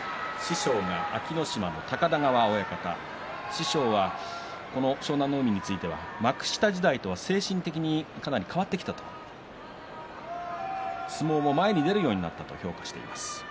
高田川親方、師匠は湘南乃海について幕下時代とは精神的にかなり変わってきたと話していますし相撲も前に出てくるようになったと評価をしています。